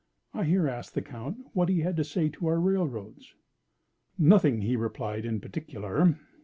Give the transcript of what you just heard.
I here asked the Count what he had to say to our railroads. "Nothing," he replied, "in particular."